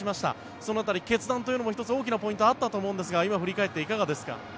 その辺り、決断というのも１つ大きなポイントがあったと思うんですが今振り返っていかがですか？